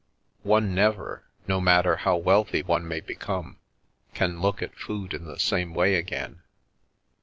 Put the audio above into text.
One never, no matter how wealthy one may become, can look at food in the same way again.